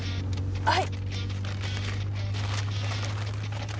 はい。